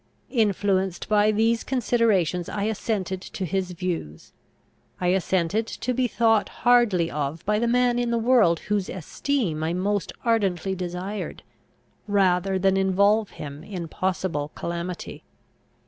Influenced by these considerations, I assented to his views. I assented to be thought hardly of by the man in the world whose esteem I most ardently desired, rather than involve him in possible calamity.